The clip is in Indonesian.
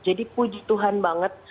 jadi puji tuhan banget